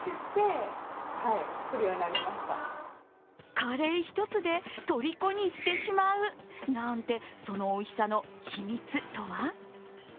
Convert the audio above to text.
カレー１つでとりこにしてしまうなんて、そのおいしさの秘密とは？